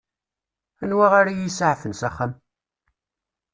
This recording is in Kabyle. Anwa ara iyi-isaɛfen s axxam?